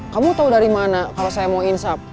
kamu tau dari mana kalau saya mau insap